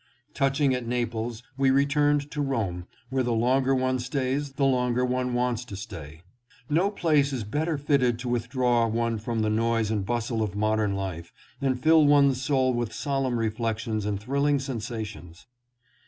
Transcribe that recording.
Touching at Naples, we returned to Rome, where the longer one stays the longer one wants to stay. No place is better fitted to withdraw one from the noise and bustle of modern life and fill one's soul with solemn reflections and thrilling sensations.